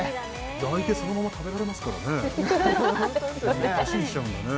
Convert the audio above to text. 焼いてそのまま食べられますからホントですね